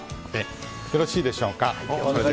よろしいでしょうか。